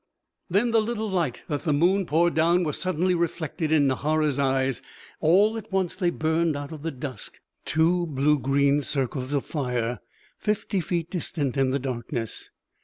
Then the little light that the moon poured down was suddenly reflected in Nahara's eyes. All at once they burned out of the dusk; two blue green circles of fire fifty feet distant in the darkness.